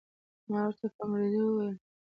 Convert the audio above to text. ما ورته په انګریزي وویل.